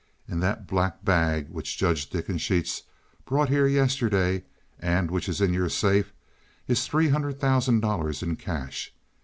In that black bag which Judge Dickensheets brought here yesterday, and which is in your safe, is three hundred thousand dollars in cash.